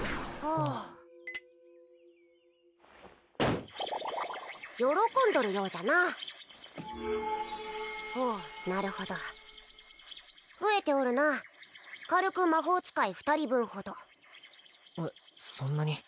ああ喜んどるようじゃなほうなるほど増えておるな軽く魔法使い２人分ほどえっそんなに？